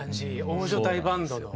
大所帯バンド。